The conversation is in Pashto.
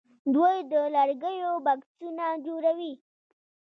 دوی د لرګیو بکسونه جوړوي.